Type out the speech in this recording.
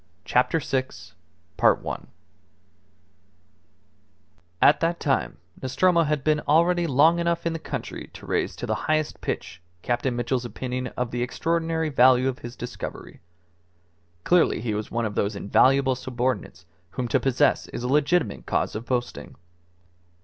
CHAPTER SIX At that time Nostromo had been already long enough in the country to raise to the highest pitch Captain Mitchell's opinion of the extraordinary value of his discovery. Clearly he was one of those invaluable subordinates whom to possess is a legitimate cause of boasting.